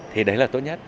thì đấy là tốt nhất